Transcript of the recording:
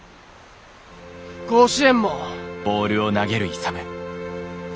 甲子園も。